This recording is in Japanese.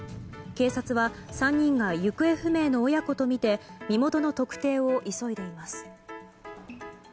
警察は３人が行方不明の親子とみて身元の特定を急いでいます。